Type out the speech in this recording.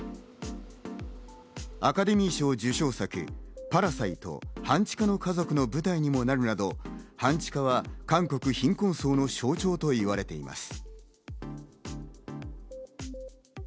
アカデミー賞受賞作、『パラサイト半地下の家族』の舞台にもなるなど半地下は韓国貧困層の象徴と言われています。